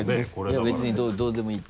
いや別にどうでもいい。